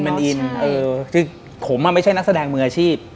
มันอินคือผมไม่ใช่นักแสดงมืออาชีพ